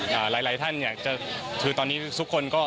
หลายท่านตอนนี้ทุกคนก็